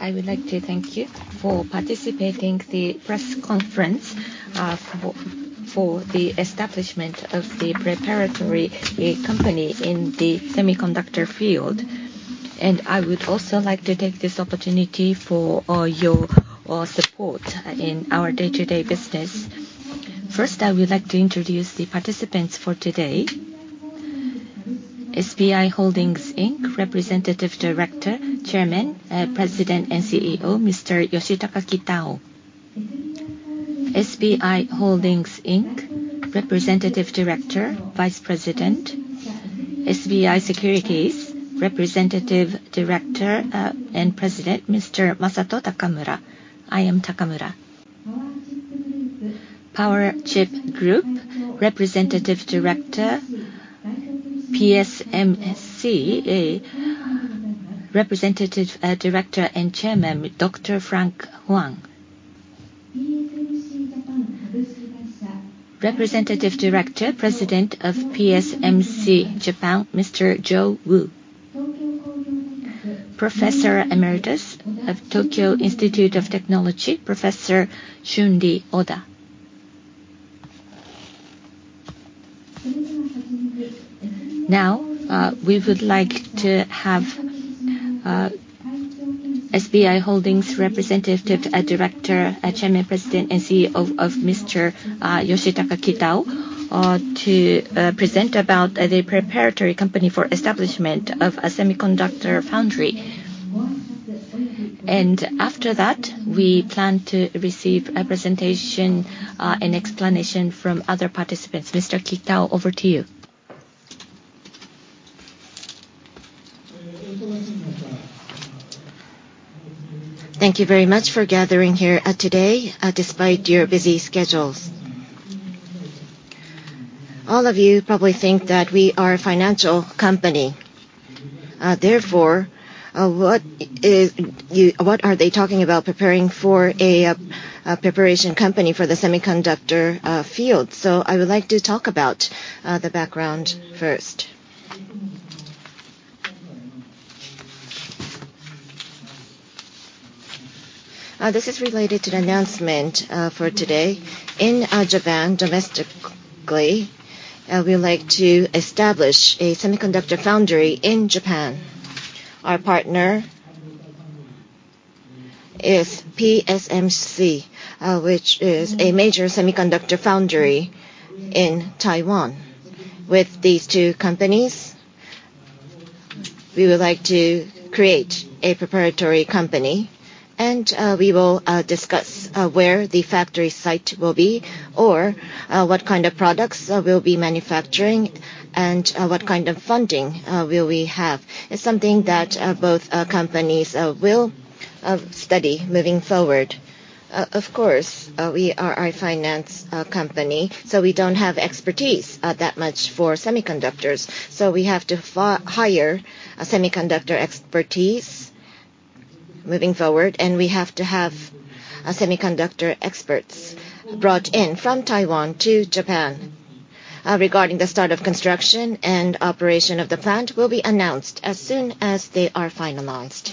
I would like to thank you for participating in the press conference for the establishment of the preparatory company in the semiconductor field. I would also like to take this opportunity for your support in our day-to-day business. First, I would like to introduce the participants for today. SBI Holdings, Inc., Representative Director, Chairman, President, and CEO, Mr. Yoshitaka Kitao. SBI Holdings, Inc., Representative Director, Vice President. SBI Securities, Representative Director and President, Mr. Masato Takamura. I am Takamura. Powerchip Group, Representative Director. PSMC, Representative Director, and Chairman, Dr. Frank Huang. Representative Director, President of PSMC Japan, Mr. Zhou Wu. Professor Emeritus of Tokyo Institute of Technology, Professor Shunde Oda. We would like to have SBI Holdings' Representative Director, Chairman, President, and CEO, Mr. Yoshitaka Kitao, to present about the preparatory company for establishment of a semiconductor foundry. After that, we plan to receive a presentation and explanation from other participants. Mr. Kitao, over to you. Thank you very much for gathering here today despite your busy schedules. All of you probably think that we are a financial company. Therefore, what are they talking about preparing for a preparation company for the semiconductor field? I would like to talk about the background first. This is related to the announcement for today. In Japan, domestically, we would like to establish a semiconductor foundry in Japan. Our partner is PSMC, which is a major semiconductor foundry in Taiwan. With these two companies, we would like to create a preparatory company, and we will discuss where the factory site will be, or what kind of products we will be manufacturing, and what kind of funding will we have. It is something that both companies will study moving forward. Of course, we are a finance company, we don't have expertise that much for semiconductors, we have to hire semiconductor expertise moving forward, and we have to have semiconductor experts brought in from Taiwan to Japan. Regarding the start of construction and operation of the plant will be announced as soon as they are finalized.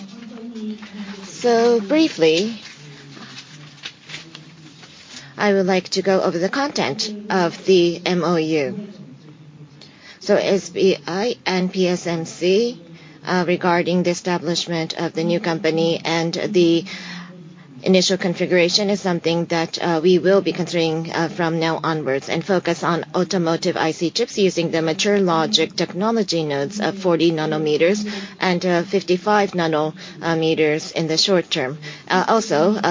Briefly, I would like to go over the content of the MOU. SBI and PSMC, regarding the establishment of the new company and the initial configuration is something that we will be considering from now onwards and focus on automotive IC chips using the mature logic technology nodes of 40 nanometers and 55 nanometers in the short term.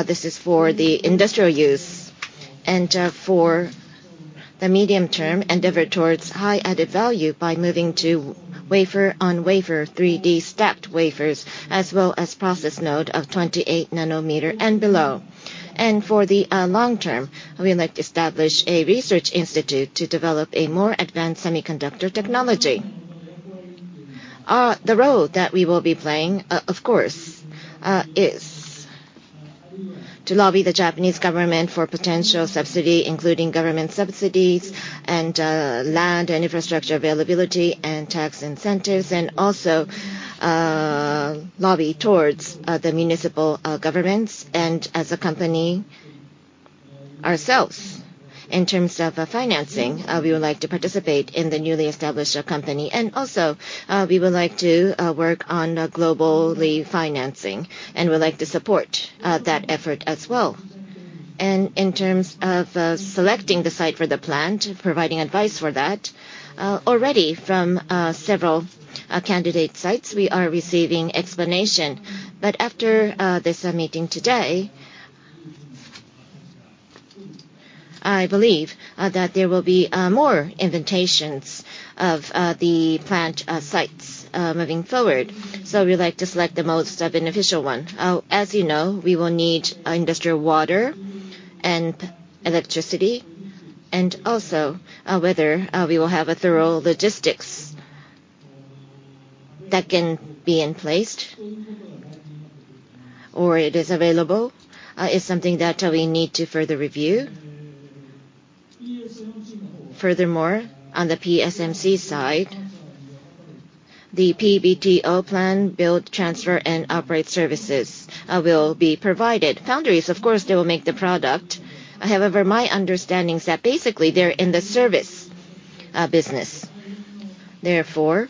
This is for the industrial use and for the medium term, endeavor towards high added value by moving to wafer-on-wafer 3D stacked wafers, as well as process node of 28 nanometer and below. For the long term, we would like to establish a research institute to develop a more advanced semiconductor technology. The role that we will be playing, of course, is to lobby the Japanese government for potential subsidy, including government subsidies and land and infrastructure availability and tax incentives, and also lobby towards the municipal governments and as a company ourselves. In terms of financing, we would like to participate in the newly established company. Also, we would like to work on globally financing and would like to support that effort as well. In terms of selecting the site for the plant, providing advice for that, already from several candidate sites, we are receiving explanation. After this meeting today, I believe that there will be more invitations of the plant sites moving forward. We would like to select the most beneficial one. As you know, we will need industrial water and electricity, also whether we will have a thorough logistics that can be in place or it is available, is something that we need to further review. Furthermore, on the PSMC side, the PBTO plan, build, transfer, and operate services will be provided. Foundries, of course, they will make the product. However, my understanding is that basically they're in the service business. Therefore,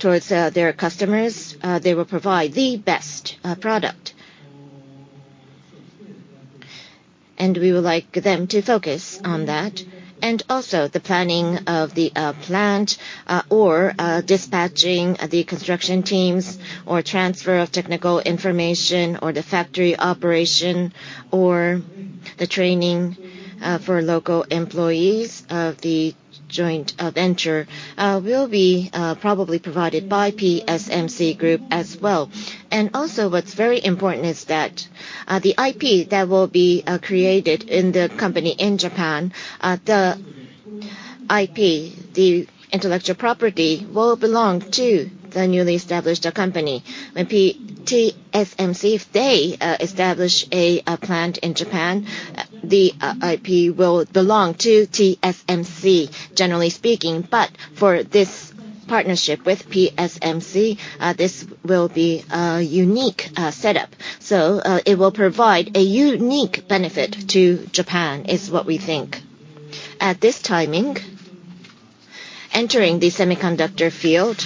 towards their customers, they will provide the best product, and we would like them to focus on that. Also the planning of the plant or dispatching the construction teams or transfer of technical information or the factory operation or the training for local employees of the joint venture will be probably provided by PSMC Group as well. Also what's very important is that the IP that will be created in the company in Japan, the IP, the intellectual property, will belong to the newly established company. When TSMC, if they establish a plant in Japan, the IP will belong to TSMC, generally speaking. For this partnership with PSMC, this will be a unique setup. It will provide a unique benefit to Japan, is what we think. At this timing, entering the semiconductor field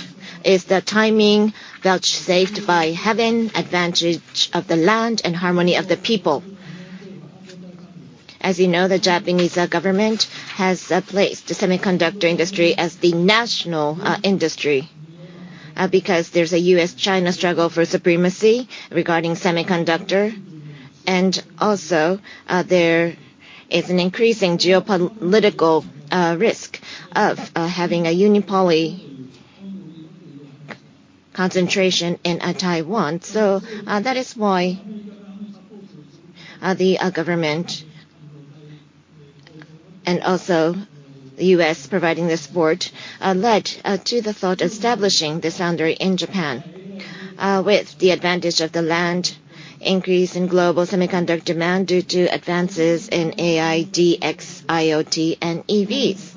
is the timing vouchsafed by heaven, advantage of the land, and harmony of the people. As you know, the Japanese government has placed the semiconductor industry as the national industry, because there's a U.S.-China struggle for supremacy regarding semiconductor, also there is an increasing geopolitical risk of having a unipolar concentration in Taiwan. That is why the government and also the U.S. providing the support led to the thought of establishing this foundry in Japan. With the advantage of the land, increase in global semiconductor demand due to advances in AI, DX, IoT and EVs.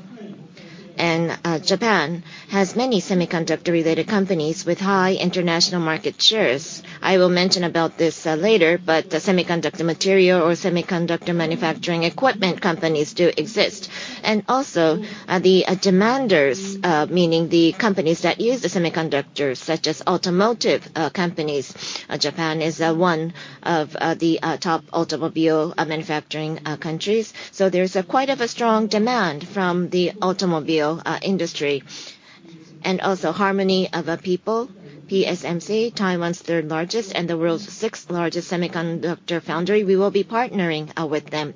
Japan has many semiconductor-related companies with high international market shares. I will mention about this later, but the semiconductor material or semiconductor manufacturing equipment companies do exist. Also the demanders, meaning the companies that use the semiconductors, such as automotive companies. Japan is one of the top automobile manufacturing countries. There's quite a strong demand from the automobile industry. Also harmony of people, PSMC, Taiwan's third largest and the world's sixth largest semiconductor foundry, we will be partnering with them.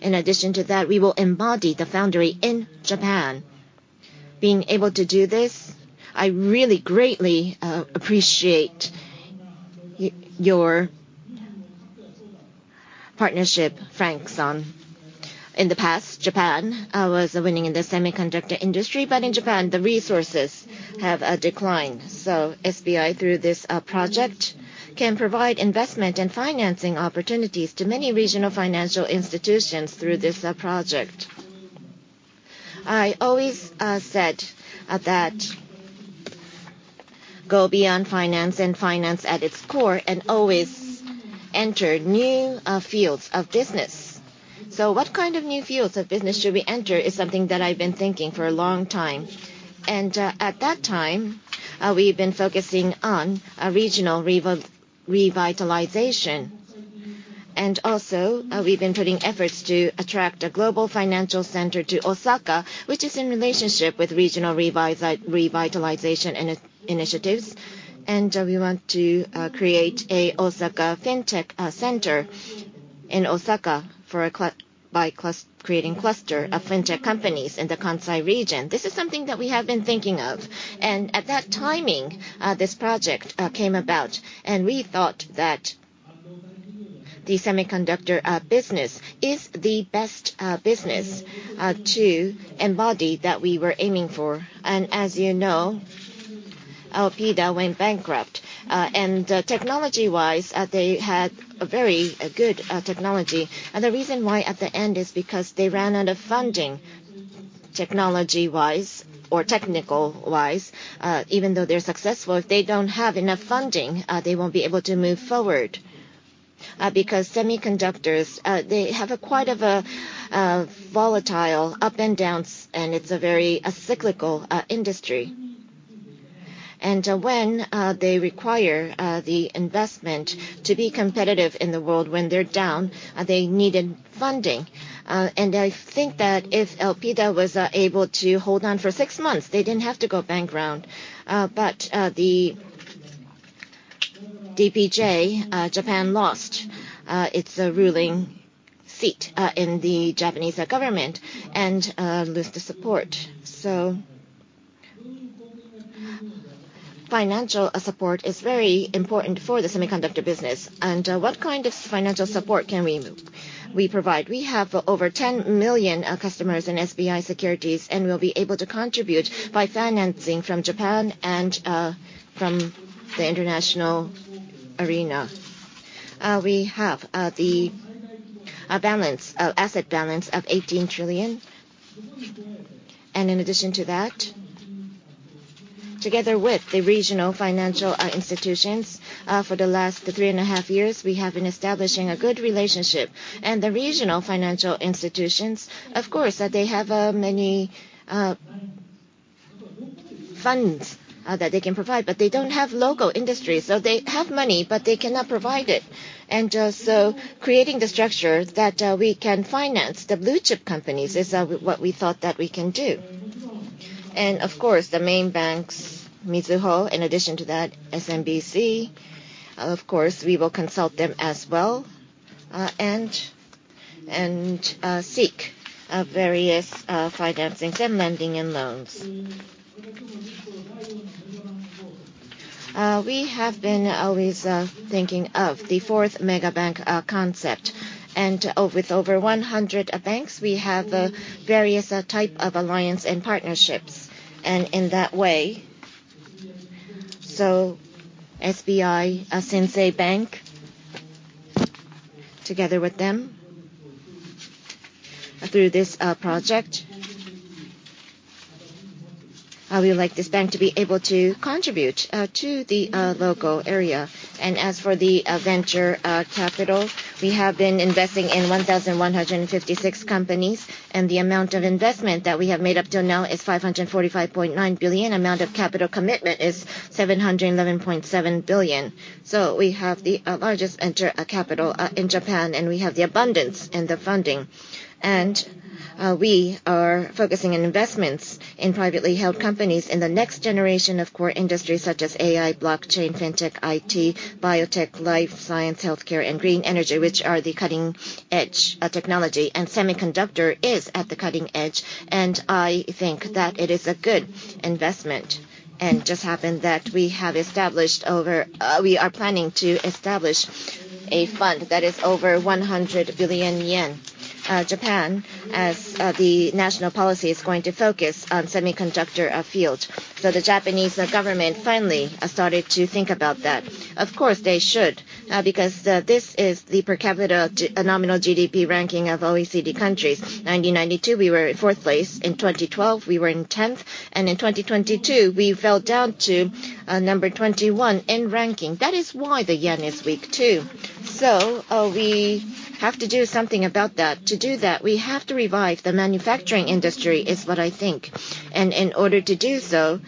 In addition to that, we will embody the foundry in Japan. Being able to do this, I really greatly appreciate your partnership, Frank. In the past, Japan was winning in the semiconductor industry, but in Japan, the resources have declined. SBI, through this project, can provide investment and financing opportunities to many regional financial institutions through this project. I always said that go beyond finance and finance at its core and always enter new fields of business. What kind of new fields of business should we enter is something that I've been thinking for a long time. At that time, we've been focusing on regional revitalization. We've been putting efforts to attract a global financial center to Osaka, which is in relationship with regional revitalization initiatives. We want to create a Osaka fintech center in Osaka by creating cluster of fintech companies in the Kansai region. This is something that we have been thinking of. At that timing, this project came about, and we thought that the semiconductor business is the best business to embody that we were aiming for. As you know, Elpida went bankrupt. Technology-wise, they had a very good technology. The reason why at the end is because they ran out of funding. Technology-wise or technical-wise, even though they're successful, if they don't have enough funding, they won't be able to move forward. Semiconductors, they have quite a volatile up and downs, and it's a very cyclical industry. When they require the investment to be competitive in the world when they're down, they needed funding. I think that if Elpida was able to hold on for six months, they didn't have to go bankrupt. The DPJ, Japan lost its ruling seat in the Japanese government and lost the support. Financial support is very important for the semiconductor business. What kind of financial support can we provide? We have over 10 million customers in SBI Securities. We'll be able to contribute by financing from Japan and from the international arena. We have the asset balance of 18 trillion JPY. In addition to that, together with the regional financial institutions for the last three and a half years, we have been establishing a good relationship. The regional financial institutions, of course, they have many funds that they can provide, but they don't have local industry. They have money, but they cannot provide it. Creating the structure that we can finance the blue-chip companies is what we thought that we can do. Of course, the main banks, Mizuho, in addition to that, SMBC, of course, we will consult them as well, and seek various financings and lending in loans. We have been always thinking of the fourth mega bank concept. With over 100 banks, we have various type of alliance and partnerships. SBI Shinsei Bank, together with them, through this project, we would like this bank to be able to contribute to the local area. As for the venture capital, we have been investing in 1,156 companies. The amount of investment that we have made up till now is 545.9 billion JPY. Amount of capital commitment is 711.7 billion JPY. We have the largest venture capital in Japan. We have the abundance in the funding. We are focusing on investments in privately held companies in the next generation of core industries such as AI, blockchain, fintech, IT, biotech, life science, healthcare, and green energy, which are the cutting edge technology. Semiconductor is at the cutting edge, and I think that it is a good investment. It just happened that we are planning to establish a fund that is over 100 billion yen. Japan, as the national policy, is going to focus on semiconductor field. The Japanese government finally started to think about that. Of course, they should, because this is the per capita nominal GDP ranking of OECD countries. 1992, we were in fourth place. In 2012, we were in 10th. In 2022, we fell down to number 21 in ranking. That is why the JPY is weak, too. We have to do something about that. To do that, we have to revive the manufacturing industry, is what I think. In order to do so,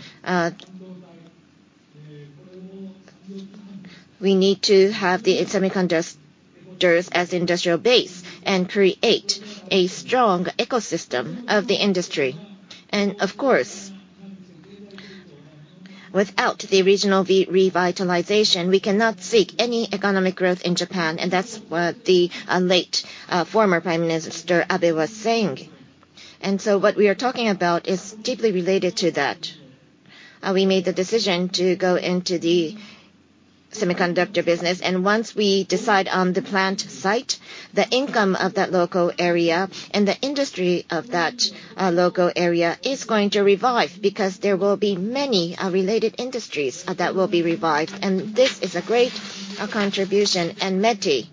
we need to have the semiconductors as industrial base and create a strong ecosystem of the industry. Of course, without the regional revitalization, we cannot seek any economic growth in Japan, and that's what the late former Prime Minister Abe was saying. What we are talking about is deeply related to that. We made the decision to go into the semiconductor business, and once we decide on the plant site, the income of that local area and the industry of that local area is going to revive because there will be many related industries that will be revived. This is a great contribution. METI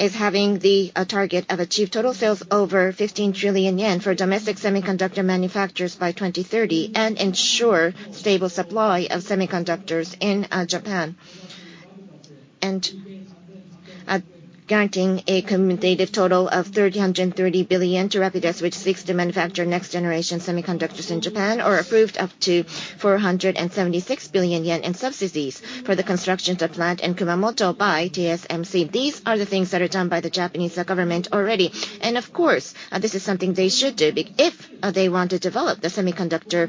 is having the target of achieve total sales over 15 trillion yen for domestic semiconductor manufacturers by 2030 and ensure stable supply of semiconductors in Japan. Granting a cumulative total of 330 billion to Rapidus, which seeks to manufacture next generation semiconductors in Japan, or approved up to 476 billion yen in subsidies for the construction of the plant in Kumamoto by TSMC. These are the things that are done by the Japanese government already. Of course, this is something they should do if they want to develop the semiconductor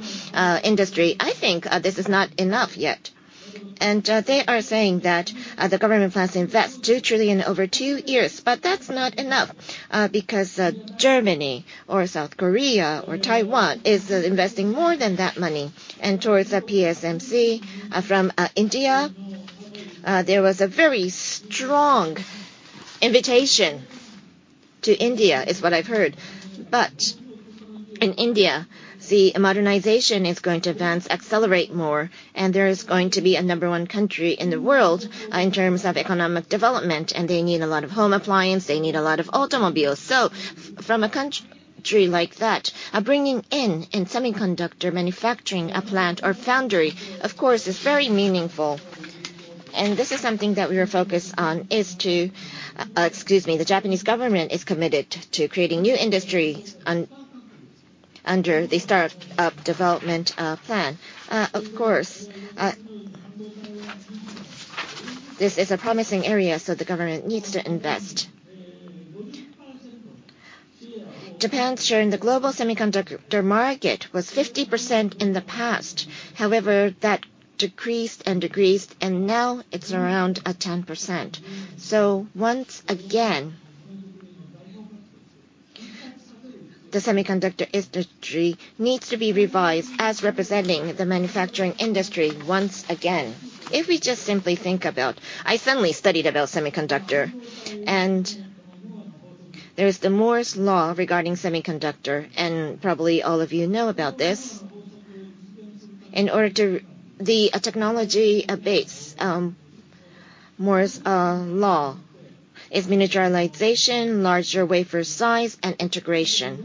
industry. I think this is not enough yet. They are saying that the government plans to invest 2 trillion over 2 years, but that's not enough because Germany or South Korea or Taiwan is investing more than that money. Towards PSMC from India, there was a very strong invitation to India, is what I've heard. But in India, the modernization is going to advance, accelerate more, and there is going to be a number 1 country in the world in terms of economic development, and they need a lot of home appliance, they need a lot of automobiles. From a country like that, bringing in semiconductor manufacturing plant or foundry, of course, is very meaningful. This is something that we are focused on is to Excuse me. The Japanese government is committed to creating new industries under the Startup Development Plan. Of course, this is a promising area, so the government needs to invest. Japan's share in the global semiconductor market was 50% in the past. However, that decreased and decreased, and now it's around 10%. Once again, the semiconductor industry needs to be revised as representing the manufacturing industry once again. If we just simply think about, I suddenly studied about semiconductor, there's the Moore's Law regarding semiconductor. Probably all of you know about this. In order to the technology base, Moore's Law is miniaturization, larger wafer size, and integration.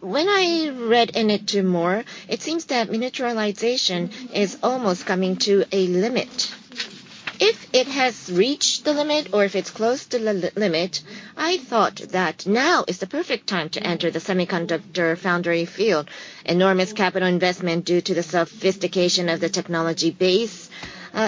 When I read into Moore, it seems that miniaturization is almost coming to a limit. If it has reached the limit or if it's close to the limit, I thought that now is the perfect time to enter the semiconductor foundry field. Enormous capital investment due to the sophistication of the technology base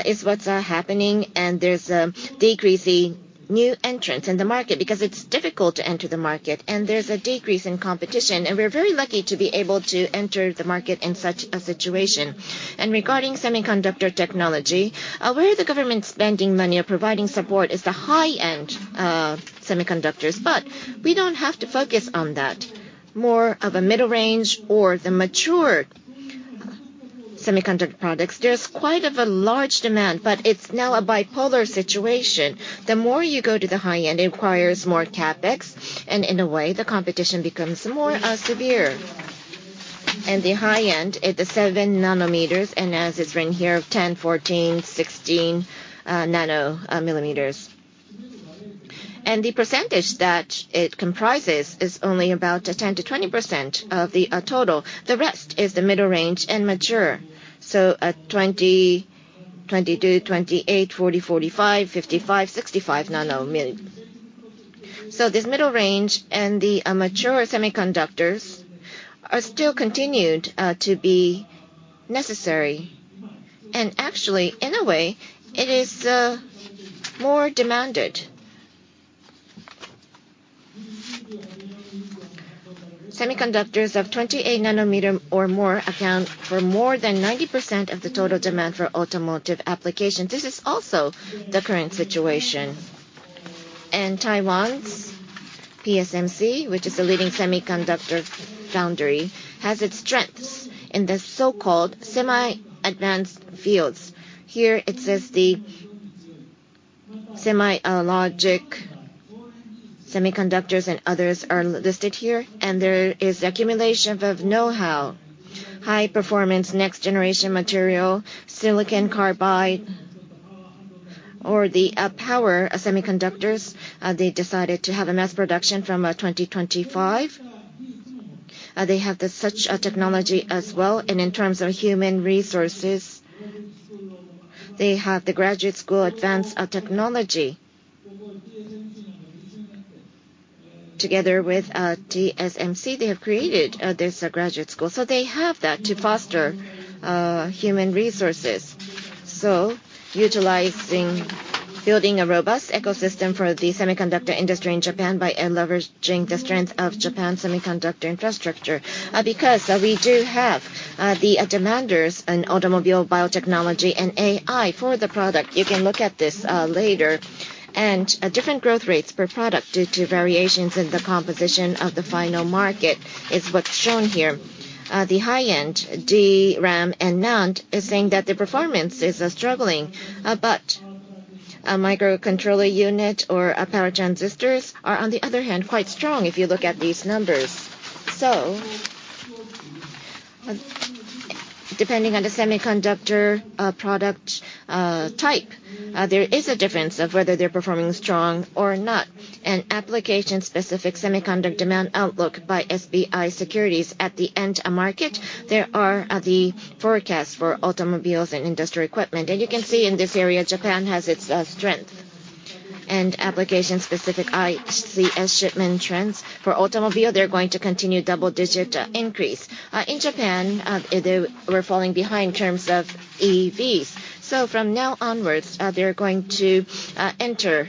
is what's happening. There's a decrease in new entrants in the market because it's difficult to enter the market. There's a decrease in competition. We're very lucky to be able to enter the market in such a situation. Regarding semiconductor technology, where the government spending money or providing support is the high-end semiconductors. We don't have to focus on that. More of a middle range or the mature semiconductor products, there's quite a large demand, but it's now a bipolar situation. The more you go to the high end, it requires more CapEx, and in a way, the competition becomes more severe. In the high end, at the 7 nanometers, as it's written here, 10, 14, 16 nanometers. The percentage that it comprises is only about 10%-20% of the total. The rest is the middle range and mature. At 20, 22, 28, 40, 45, 55, 65 nanometers. This middle range and the mature semiconductors are still continued to be necessary. Actually, in a way, it is more demanded. Semiconductors of 28 nanometer or more account for more than 90% of the total demand for automotive applications. This is also the current situation. Taiwan's TSMC, which is a leading semiconductor foundry, has its strengths in the so-called semi-advanced fields. Here it says the semi-logic semiconductors and others are listed here. There is accumulation of know-how, high performance, next generation material, silicon carbide, or the power semiconductors. They decided to have a mass production from 2025. They have such technology as well. In terms of human resources, they have the graduate school advanced technology. Together with TSMC, they have created this graduate school. They have that to foster human resources. Utilizing building a robust ecosystem for the semiconductor industry in Japan by leveraging the strength of Japan semiconductor infrastructure. We do have the demanders in automobile, biotechnology, and AI for the product. You can look at this later. Different growth rates per product due to variations in the composition of the final market is what's shown here. The high-end DRAM and NAND is saying that the performance is struggling, a microcontroller unit or power transistors are, on the other hand, quite strong if you look at these numbers. Depending on the semiconductor product type, there is a difference of whether they're performing strong or not. Application-specific semiconductor demand outlook by SBI Securities at the end market, there are the forecasts for automobiles and industry equipment. You can see in this area, Japan has its strength. Application-Specific ICs shipment trends. For automobile, they're going to continue double-digit increase. In Japan, we're falling behind in terms of EVs. From now onwards, they're going to enter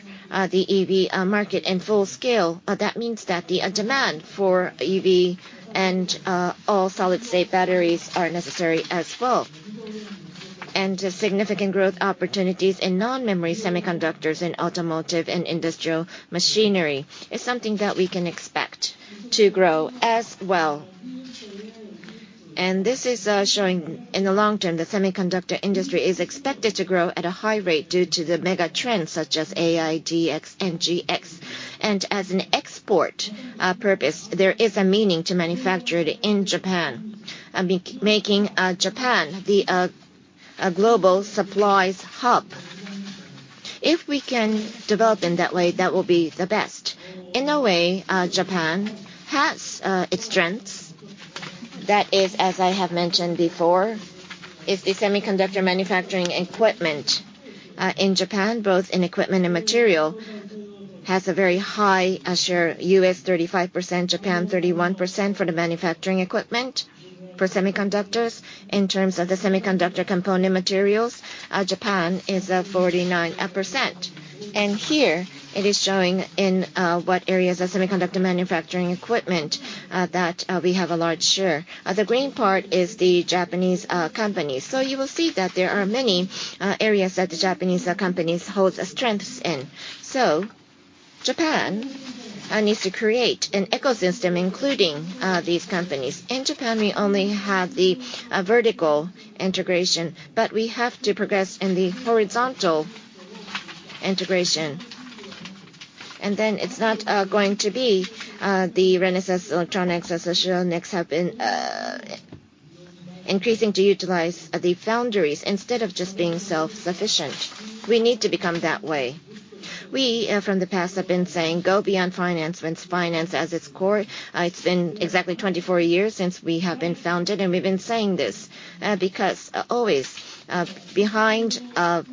the EV market in full scale. That means that the demand for EV and all-solid-state batteries are necessary as well. Significant growth opportunities in non-memory semiconductors in automotive and industrial machinery is something that we can expect to grow as well. This is showing in the long term, the semiconductor industry is expected to grow at a high rate due to the mega trends such as AI, DX, and GX. As an export purpose, there is a meaning to manufacture it in Japan, making Japan the global supplies hub. If we can develop in that way, that will be the best. In a way, Japan has its strengths. That is, as I have mentioned before, is the semiconductor manufacturing equipment. In Japan, both in equipment and material, has a very high share, U.S. 35%, Japan 31% for the manufacturing equipment for semiconductors. In terms of the semiconductor component materials, Japan is at 49%. Here it is showing in what areas of semiconductor manufacturing equipment that we have a large share. The green part is the Japanese companies. You will see that there are many areas that the Japanese companies hold strengths in. Japan needs to create an ecosystem including these companies. In Japan, we only have the vertical integration, but we have to progress in the horizontal integration. It's not going to be the Renesas Electronics, as social needs have been increasing to utilize the foundries, instead of just being self-sufficient. We need to become that way. We, from the past, have been saying, "Go beyond finance, with finance as its core." It's been exactly 24 years since we have been founded, and we've been saying this, because always behind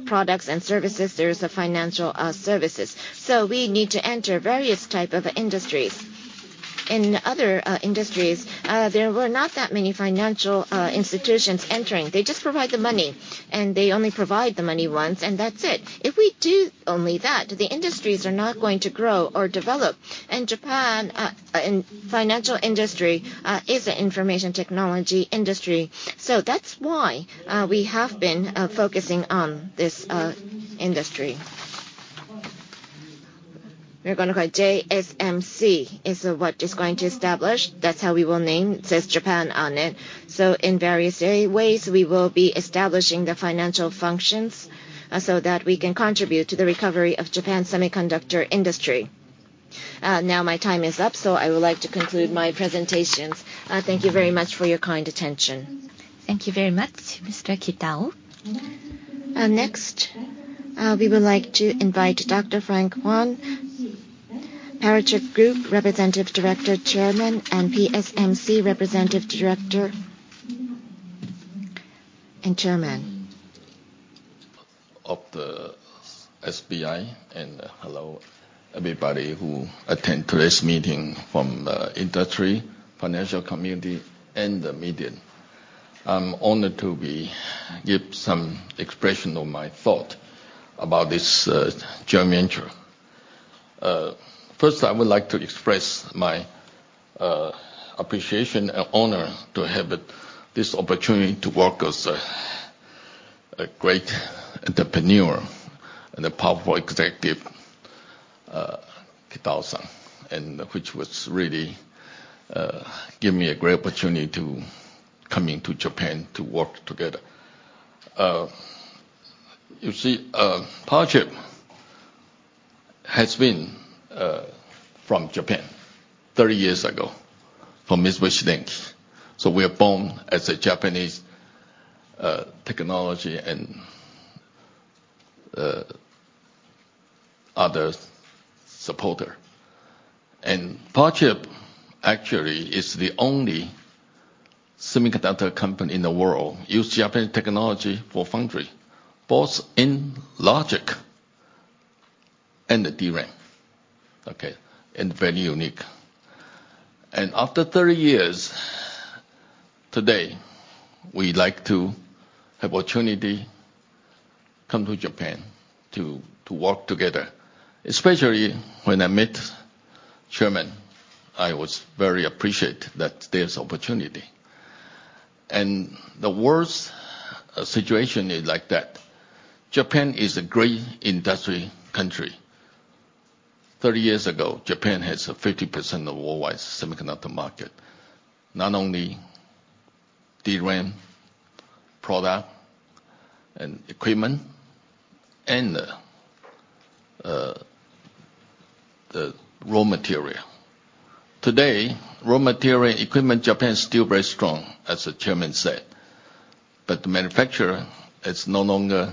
products and services, there's financial services. We need to enter various type of industries. In other industries, there were not that many financial institutions entering. They just provide the money, and they only provide the money once, and that's it. If we do only that, the industries are not going to grow or develop. In Japan, financial industry is an information technology industry. That's why we have been focusing on this industry. We're going to call it JSMC, is what is going to establish. That's how we will name. It says Japan on it. In various ways, we will be establishing the financial functions so that we can contribute to the recovery of Japan semiconductor industry. Now my time is up, so I would like to conclude my presentations. Thank you very much for your kind attention. Thank you very much, Mr. Kitao. Next, we would like to invite Dr. Frank Huang, Powerchip Group Representative Director, Chairman, and PSMC Representative Director and Chairman. Of the SBI, hello, everybody who attend today's meeting from the industry, financial community, and the media. I'm honored to be give some expression of my thought about this joint venture. First, I would like to express my appreciation and honor to have this opportunity to work with a great entrepreneur and a powerful executive, Kitao-san, which was really give me a great opportunity to coming to Japan to work together. You see, Powerchip has been from Japan 30 years ago, from Mitsubishi, so we are born as a Japanese technology and other supporter. Powerchip actually is the only semiconductor company in the world use Japanese technology for foundry, both in logic and the DRAM. Okay. Very unique. After 30 years, today, we'd like to have opportunity come to Japan to work together. Especially when I met Chairman, I was very appreciate that there's opportunity. The worst situation is like that. Japan is a great industry country. 30 years ago, Japan has 50% of worldwide semiconductor market. Not only DRAM product and equipment and the raw material. Today, raw material, equipment, Japan is still very strong, as the Chairman said. The manufacturer is no longer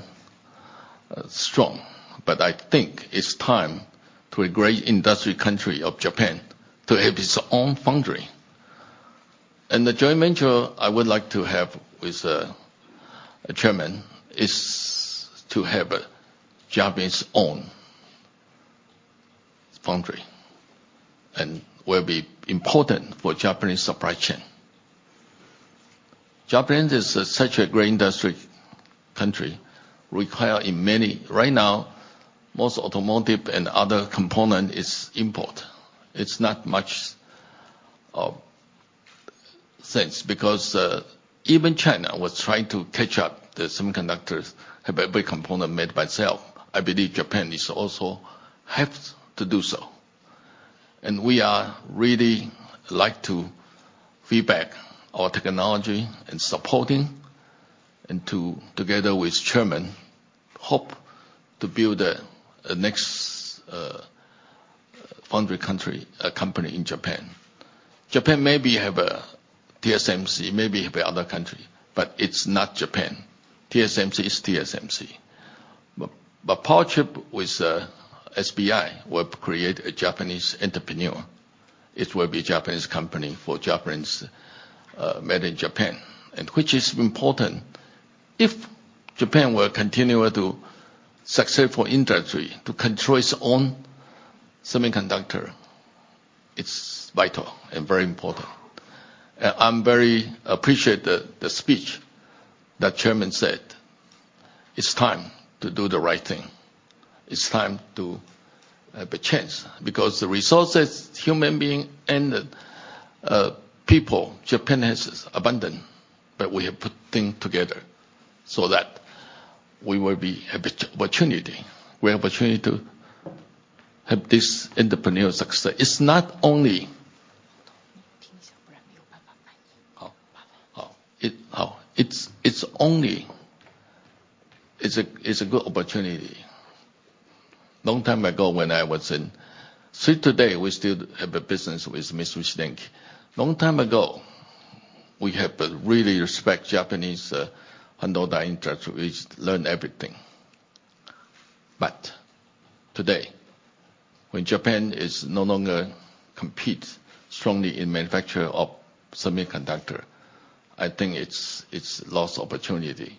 strong, but I think it's time to a great industry country of Japan to have its own foundry. The joint venture I would like to have with Chairman is to have a Japanese own foundry, and will be important for Japanese supply chain. Japan is such a great industry country, require in many. Right now, most automotive and other component is import. It's not much of sense because even China was trying to catch up the semiconductors, have every component made by itself. I believe Japan is also have to do so. We are really like to feedback our technology and supporting, and together with Chairman, hope to build a next foundry company in Japan. Japan maybe have a TSMC, maybe have other country, but it's not Japan. TSMC is TSMC. Powerchip with SBI will create a Japanese entrepreneur. It will be a Japanese company for Japanese made in Japan, and which is important if Japan will continue to successful industry to control its own semiconductor. It's vital and very important. I'm very appreciate the speech that Chairman said. It's time to do the right thing. It's time to have a chance because the resources, human being, and people, Japan has abundant, but we have put thing together so that we will be have opportunity. We have opportunity to have this entrepreneur success. It's a good opportunity. Still today, we still have a business with Mitsubishi. Long time ago, we have really respect Japanese Honda industry. We learn everything. Today, when Japan is no longer compete strongly in manufacture of semiconductor, I think it's lost opportunity.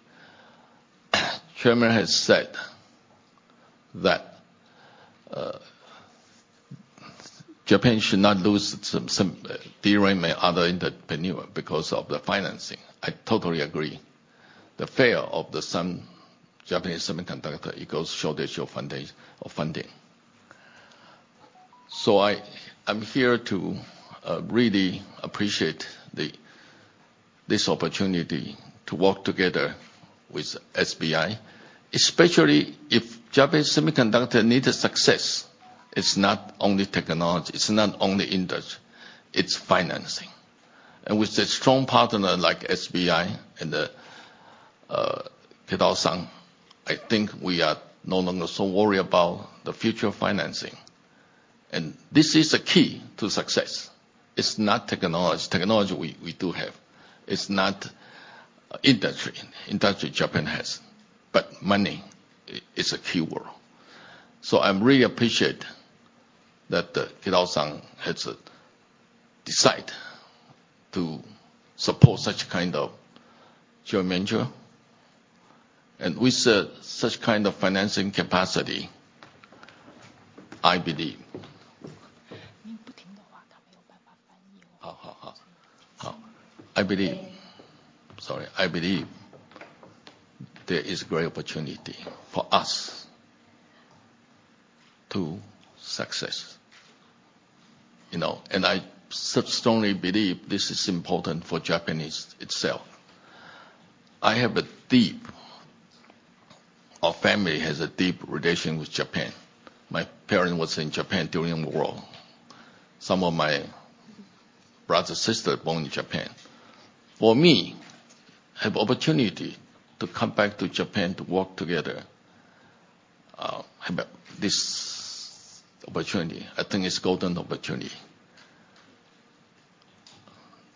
Chairman has said that Japan should not lose some arrangement other entrepreneur because of the financing. I totally agree. The fail of the Japanese semiconductor, it goes shortage of funding. I'm here to really appreciate this opportunity to work together with SBI, especially if Japanese semiconductor need a success, it's not only technology, it's not only industry, it's financing. With a strong partner like SBI and the Kitao-san, I think we are no longer so worried about the future financing. This is a key to success. It's not technology. Technology, we do have. It's not industry. Industry, Japan has. Money is a key word. I'm really appreciate that Kitao-san has decide to support such kind of joint venture. With such kind of financing capacity, I believe. I believe there is a great opportunity for us to success. I strongly believe this is important for Japanese itself. Our family has a deep relation with Japan. My parent was in Japan during the war. Some of my brother, sister born in Japan. For me, have opportunity to come back to Japan to work together, have this opportunity, I think it's golden opportunity.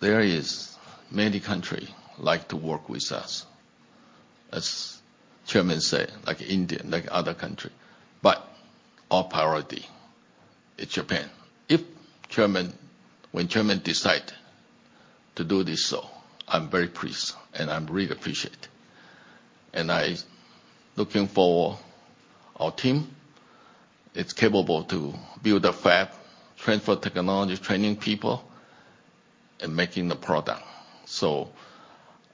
There is many country like to work with us, as chairman said, like India, like other country. Our priority is Japan. When chairman decide to do this, so I'm very pleased, and I'm really appreciate. I looking for our team. It's capable to build a fab, transfer technology, training people, and making the product.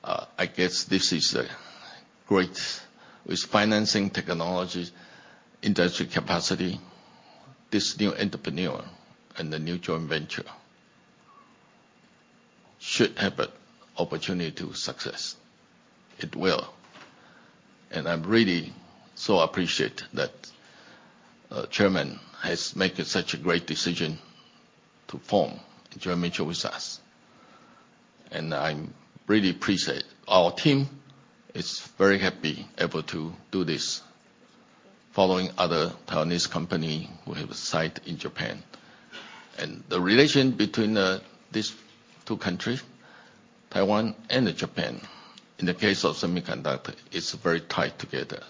I guess this is a great With financing technology, industry capacity, this new entrepreneur and the new joint venture should have a opportunity to success. It will. I'm really so appreciate that chairman has made such a great decision to form the joint venture with us, and I'm really appreciate. Our team is very happy able to do this, following other Taiwanese company who have a site in Japan. The relation between these two countries, Taiwan and Japan, in the case of semiconductor, it's very tied together.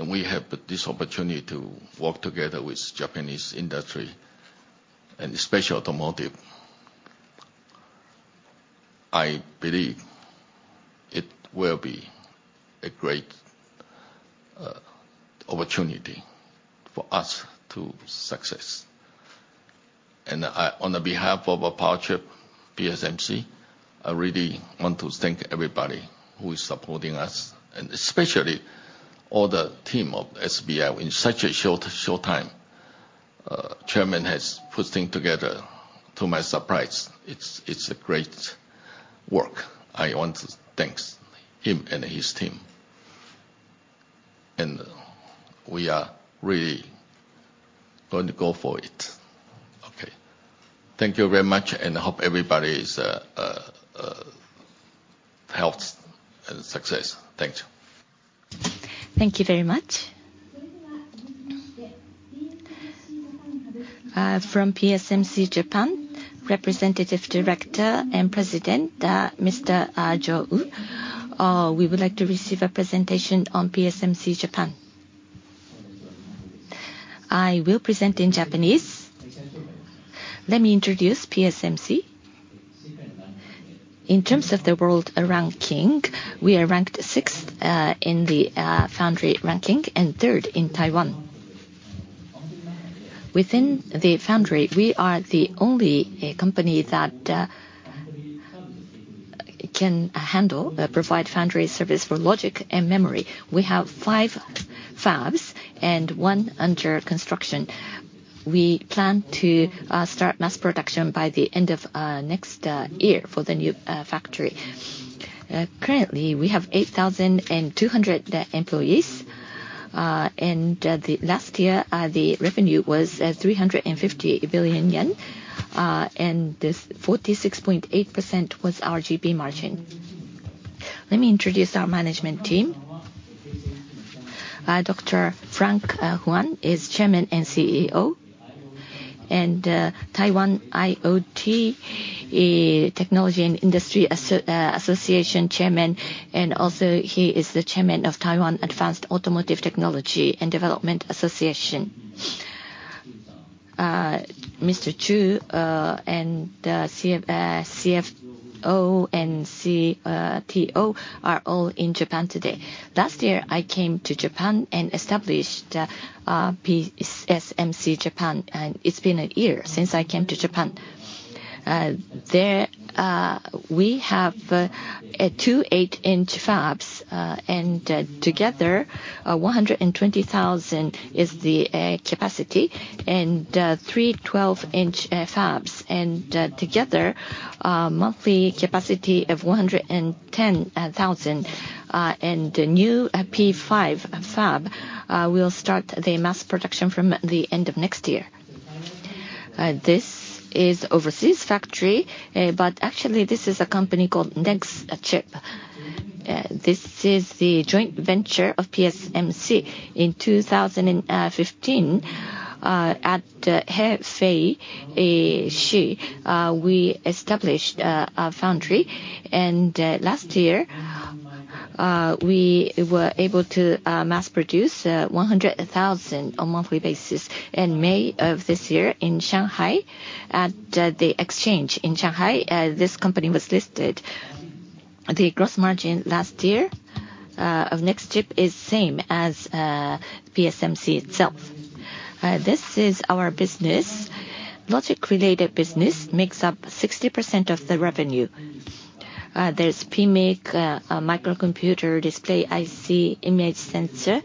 We have this opportunity to work together with Japanese industry, especially automotive. I believe it will be a great opportunity for us to success. On the behalf of our Powerchip PSMC, I really want to thank everybody who is supporting us, especially all the team of SBI in such a short time. Chairman has put things together, to my surprise. It's a great work. I want to thanks him and his team. We are really going to go for it. Okay. Thank you very much, and I hope everybody's health and success. Thank you. Thank you very much. From PSMC Japan, Representative Director and President, Mr. Jo Wu. We would like to receive a presentation on PSMC Japan. I will present in Japanese. Let me introduce PSMC. In terms of the world ranking, we are ranked sixth in the foundry ranking, and third in Taiwan. Within the foundry, we are the only company that can handle, provide foundry service for logic and memory. We have five fabs and one under construction. We plan to start mass production by the end of next year for the new factory. Currently, we have 8,200 employees. Last year, the revenue was 358 billion yen, and 46.8% was RGP margin. Let me introduce our management team. Dr. Frank Huang is Chairman and CEO, Taiwan IoT Technology and Industry Association Chairman, and also he is the Chairman of Taiwan Advanced Automotive Technology Development Association. Mr. Chu and the CFO and CTO are all in Japan today. Last year, I came to Japan and established PSMC Japan. It's been a year since I came to Japan. There, we have two eight-inch fabs, and together, 120,000 is the capacity, and three 12-inch fabs, and together, a monthly capacity of 110,000. The new P5 fab will start the mass production from the end of next year. This is overseas factory, actually this is a company called Nexchip. This is the joint venture of PSMC. In 2015, at Hefei, we established a foundry. Last year, we were able to mass produce 100,000 on monthly basis. In May of this year in Shanghai at the exchange in Shanghai, this company was listed. The gross margin last year of Nexchip is same as PSMC itself. This is our business. Logic related business makes up 60% of the revenue. There is PMIC, microcontroller unit, display IC, image sensor.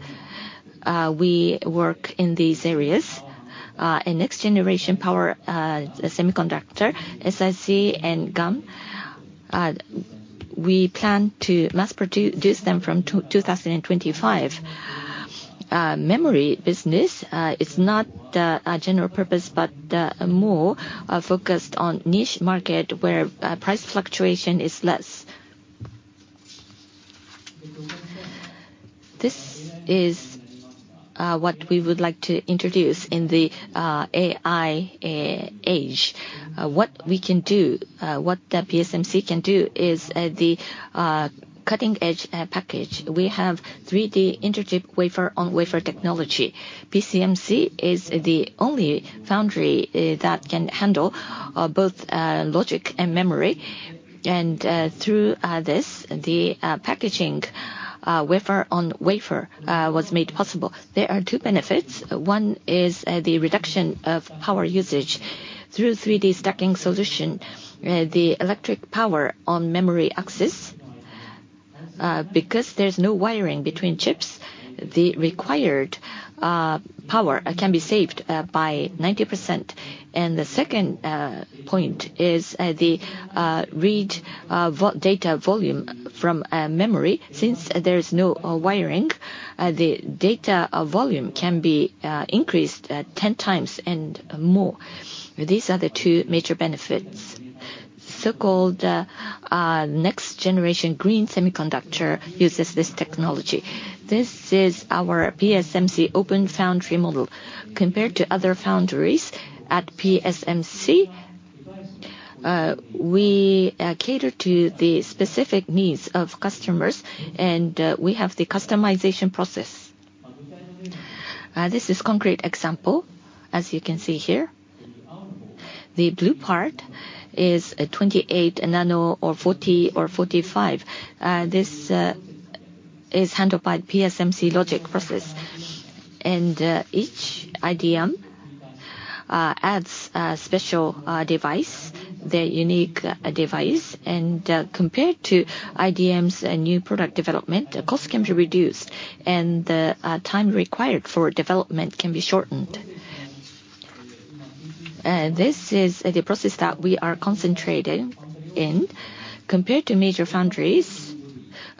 We work in these areas. In next-generation power semiconductor, SiC and GaN, we plan to mass produce them from 2025. Memory business is not general purpose, but more focused on niche market where price fluctuation is less. This is what we would like to introduce in the AI age. What we can do, what PSMC can do is the cutting-edge package. We have 3D inter-chip wafer-on-wafer technology. PSMC is the only foundry that can handle both logic and memory. Through this, the packaging wafer-on-wafer was made possible. There are two benefits. One is the reduction of power usage through 3D stacking solution. The electric power on memory axis, because there is no wiring between chips, the required power can be saved by 90%. The second point is the read data volume from memory. Since there is no wiring, the data volume can be increased 10 times and more. These are the two major benefits. So-called next-generation green semiconductor uses this technology. This is our PSMC open foundry model. Compared to other foundries, at PSMC, we cater to the specific needs of customers, and we have the customization process. This is concrete example, as you can see here. The blue part is a 28 nano or 40 or 45. This is handled by PSMC logic process. Each IDM adds a special device, their unique device. Compared to IDM's new product development, cost can be reduced, and the time required for development can be shortened. This is the process that we are concentrating in. Compared to major foundries,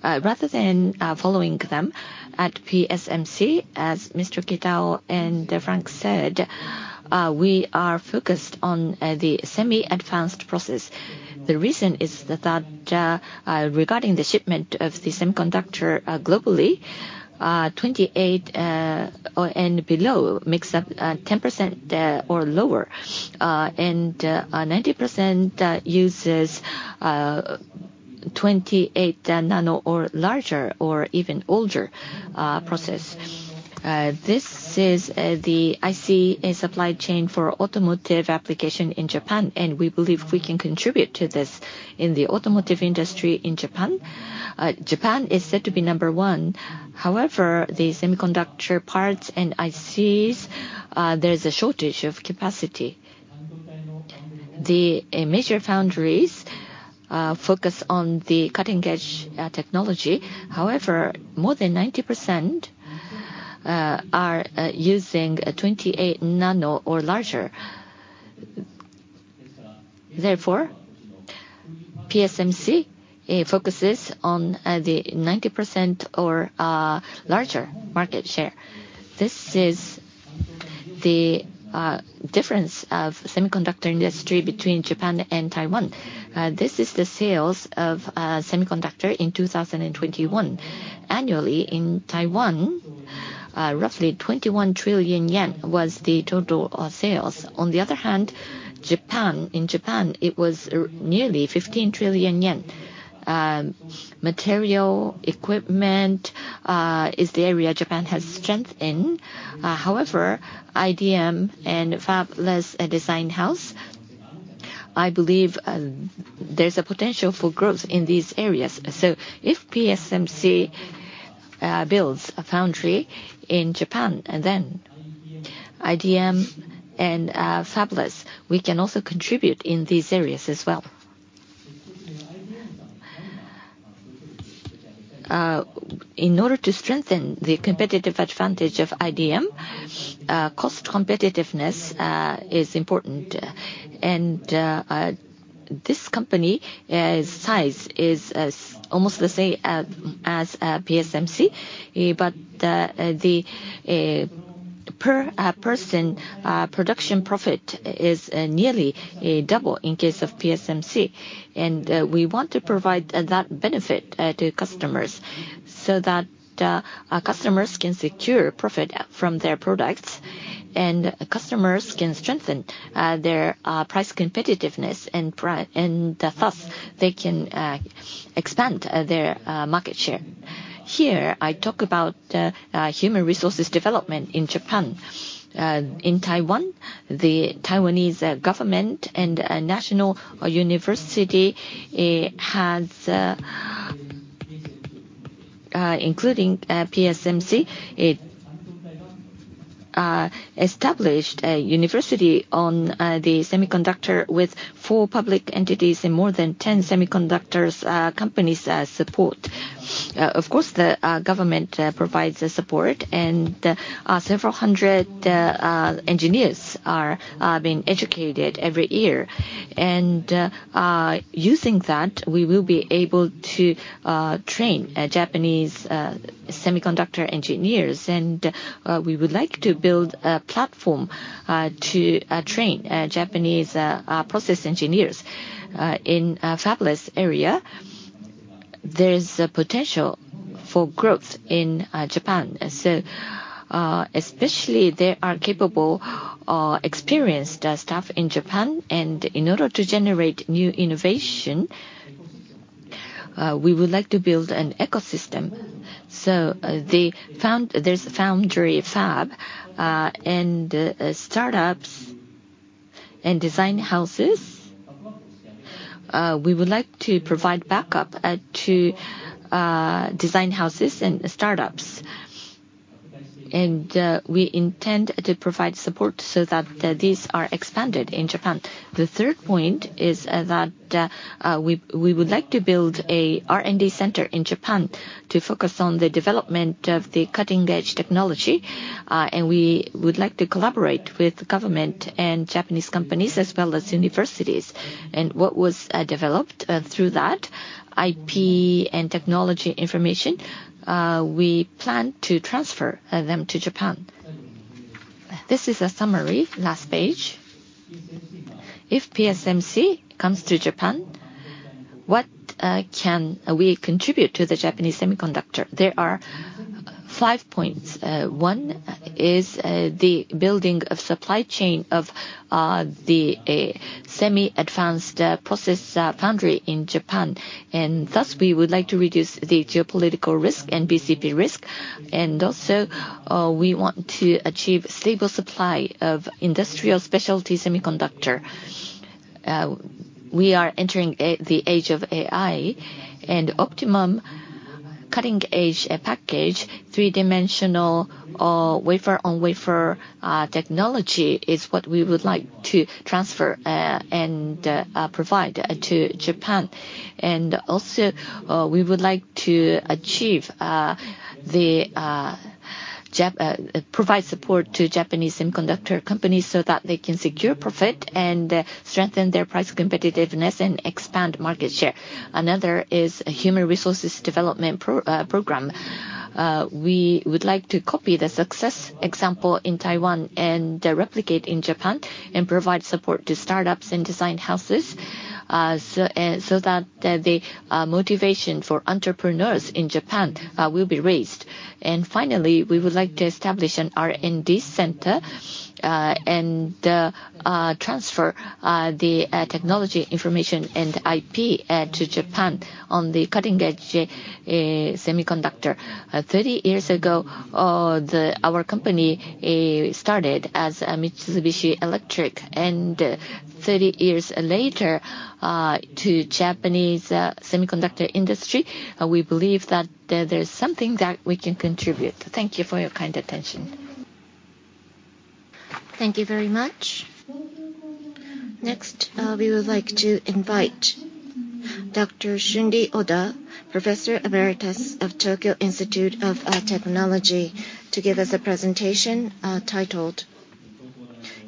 rather than following them, at PSMC, as Mr. Kitawa and Frank said, we are focused on the semi-advanced process. The reason is that regarding the shipment of the semiconductor globally, 28 and below makes up 10% or lower, and 90% uses 28 nano or larger or even older process. This is the IC supply chain for automotive application in Japan, and we believe we can contribute to this in the automotive industry in Japan. Japan is said to be number one. However, the semiconductor parts and ICs, there is a shortage of capacity. The major foundries focus on the cutting-edge technology. However, more than 90% are using 28 nano or larger. Therefore, PSMC focuses on the 90% or larger market share. This is the difference of semiconductor industry between Japan and Taiwan. This is the sales of semiconductor in 2021. Annually, in Taiwan, roughly 21 trillion yen was the total of sales. On the other hand, in Japan, it was nearly 15 trillion yen. Material equipment is the area Japan has strength in. However, IDM and fabless design house, I believe there is a potential for growth in these areas. If PSMC builds a foundry in Japan, then IDM and fabless, we can also contribute in these areas as well. In order to strengthen the competitive advantage of IDM, cost competitiveness is important. This company, its size is almost the same as PSMC, but the per person production profit is nearly double in case of PSMC. We want to provide that benefit to customers so that our customers can secure profit from their products, and customers can strengthen their price competitiveness, and thus they can expand their market share. Here, I talk about human resources development in Japan. In Taiwan, the Taiwanese government and national university has, including PSMC, established a university on the semiconductor with four public entities and more than 10 semiconductor companies' support. The government provides the support, and several hundred engineers are being educated every year. Using that, we will be able to train Japanese semiconductor engineers, and we would like to build a platform to train Japanese process engineers. In fabless area, there is a potential for growth in Japan. Especially, there are capable, experienced staff in Japan, and in order to generate new innovation, we would like to build an ecosystem. There's foundry fab and startups and design houses. We would like to provide backup to design houses and startups. We intend to provide support so that these are expanded in Japan. The third point is that we would like to build an R&D center in Japan to focus on the development of the cutting-edge technology. We would like to collaborate with government and Japanese companies, as well as universities. What was developed through that IP and technology information, we plan to transfer them to Japan. This is a summary, last page. If PSMC comes to Japan, what can we contribute to the Japanese semiconductor? There are five points. One is the building of supply chain of the semi-advanced process foundry in Japan. Thus, we would like to reduce the geopolitical risk and BCP risk. Also, we want to achieve stable supply of industrial specialty semiconductor. We are entering the age of AI, and optimum cutting-edge package, three-dimensional or wafer-on-wafer technology is what we would like to transfer and provide to Japan. Also, we would like to provide support to Japanese semiconductor companies so that they can secure profit and strengthen their price competitiveness and expand market share. Another is a human resources development program. We would like to copy the success example in Taiwan and replicate in Japan and provide support to startups and design houses, so that the motivation for entrepreneurs in Japan will be raised. Finally, we would like to establish an R&D center and transfer the technology information and IP to Japan on the cutting edge semiconductor. 30 years ago, our company started as Mitsubishi Electric, and 30 years later, to Japanese semiconductor industry, we believe that there is something that we can contribute. Thank you for your kind attention. Thank you very much. Next, we would like to invite Dr. Shunri Oda, Professor Emeritus of Tokyo Institute of Technology, to give us a presentation titled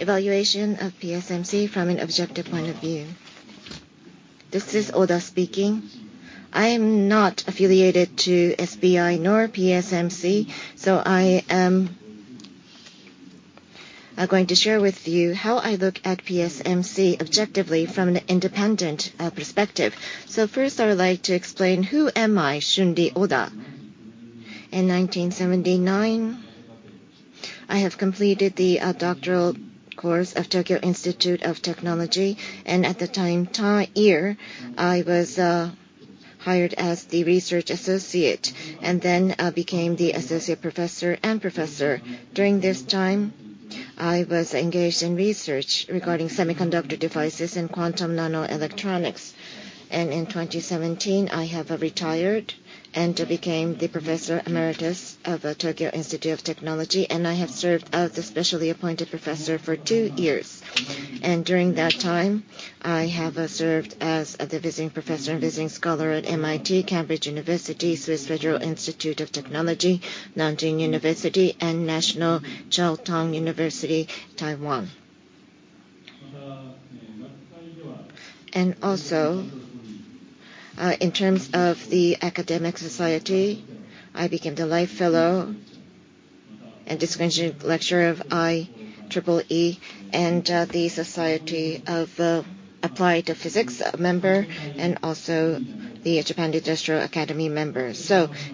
"Evaluation of PSMC from an Objective Point of View." This is Oda speaking. I am not affiliated to SBI nor PSMC. I am going to share with you how I look at PSMC objectively from an independent perspective. First, I would like to explain who am I, Shunri Oda. In 1979, I have completed the doctoral course of Tokyo Institute of Technology. At the time, that year, I was hired as the research associate, then became the associate professor and professor. During this time, I was engaged in research regarding semiconductor devices and quantum nanoelectronics. In 2017, I have retired and became the Professor Emeritus of the Tokyo Institute of Technology, I have served as the specially appointed professor for two years. During that time, I have served as the visiting professor and visiting scholar at MIT, Cambridge University, Swiss Federal Institute of Technology, Nanjing University, and National Chiao Tung University, Taiwan. In terms of the academic society, I became the life fellow and distinguished lecturer of IEEE and the Society of Applied Physics member, also the Japan Industrial Academy member.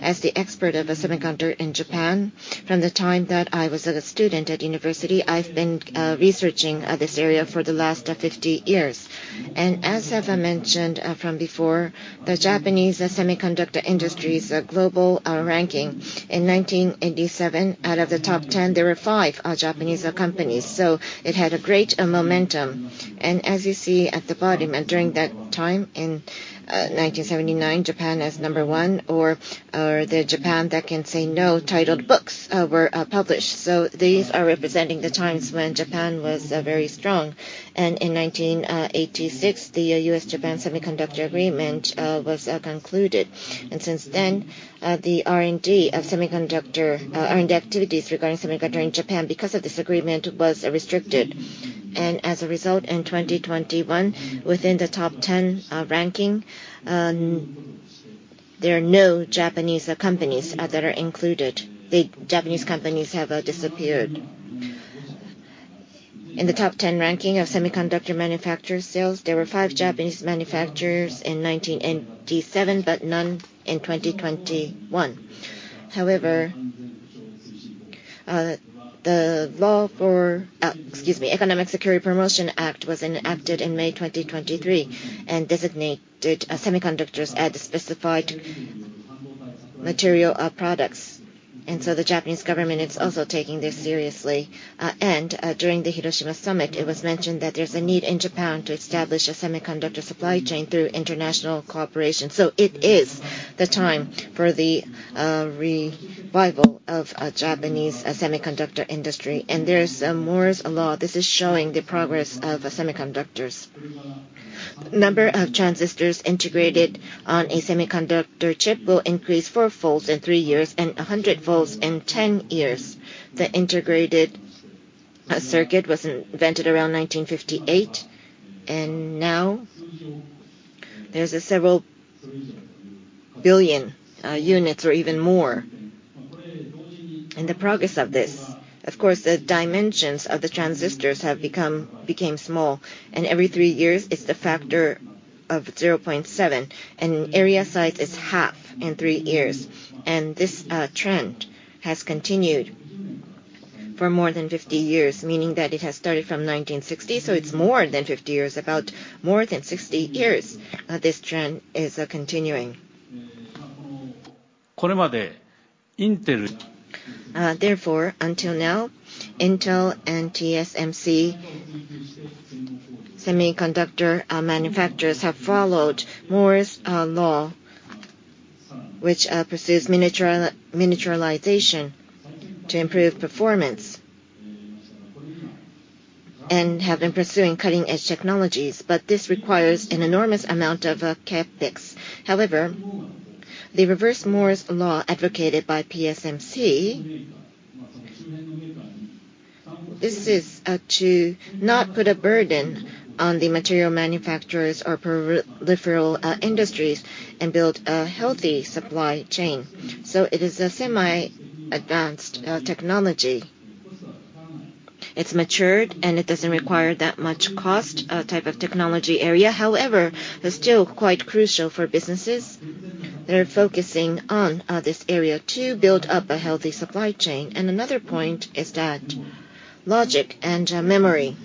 As the expert of a semiconductor in Japan, from the time that I was a student at university, I've been researching this area for the last 50 years. As I have mentioned from before, the Japanese semiconductor industry's global ranking in 1987, out of the top 10, there were five Japanese companies. It had great momentum. As you see at the bottom, during that time in 1979, "Japan as Number One" or "The Japan That Can Say No" titled books were published. These are representing the times when Japan was very strong. In 1986, the U.S.-Japan Semiconductor Agreement was concluded, since then, the R&D of semiconductor earned activities regarding semiconductor in Japan, because of this agreement, was restricted. As a result, in 2021, within the top 10 ranking, there are no Japanese companies that are included. The Japanese companies have disappeared. In the top 10 ranking of semiconductor manufacturer sales, there were five Japanese manufacturers in 1987, but none in 2021. However, the Economic Security Promotion Act was enacted in May 2023 and designated semiconductors as specified material products. The Japanese government is also taking this seriously. During the Hiroshima Summit, it was mentioned that there's a need in Japan to establish a semiconductor supply chain through international cooperation. It is the time for the revival of Japanese semiconductor industry and there is Moore's Law. This is showing the progress of semiconductors. Number of transistors integrated on a semiconductor chip will increase fourfolds in three years and 100 folds in 10 years. The integrated circuit was invented around 1958, and now there's several billion units or even more. In the progress of this, of course, the dimensions of the transistors became small, and every three years it's the factor of 0.7, and area size is half in three years. This trend has continued for more than 50 years, meaning that it has started from 1960, it's more than 50 years, about more than 60 years, this trend is continuing. Therefore, until now, Intel and TSMC semiconductor manufacturers have followed Moore's Law, which pursues miniaturization to improve performance and have been pursuing cutting-edge technologies, but this requires an enormous amount of CapEx. The Reverse Moore's Law advocated by PSMC, this is to not put a burden on the material manufacturers or peripheral industries and build a healthy supply chain. It is a semi-advanced technology. It's matured and it doesn't require that much cost type of technology area. However, it's still quite crucial for businesses that are focusing on this area to build up a healthy supply chain. Another point is that logic and memory.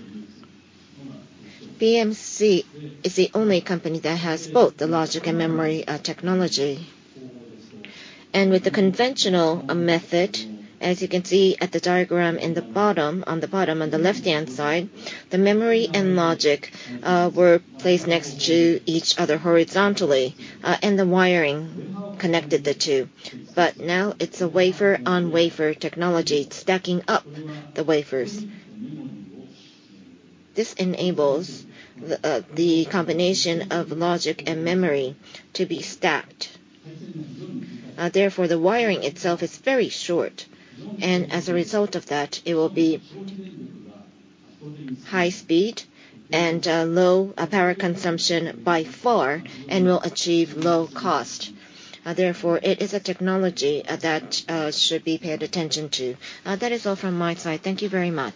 PSMC is the only company that has both the logic and memory technology. With the conventional method, as you can see at the diagram on the bottom, on the left-hand side, the memory and logic were placed next to each other horizontally, and the wiring connected the two. Now it's a wafer-on-wafer technology, stacking up the wafers. This enables the combination of logic and memory to be stacked. Therefore, the wiring itself is very short, and as a result of that, it will be high speed and low power consumption by far and will achieve low cost. Therefore, it is a technology that should be paid attention to. That is all from my side. Thank you very much.